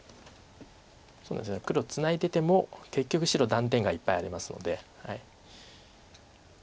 黒ツナいでても結局白断点がいっぱいありますので。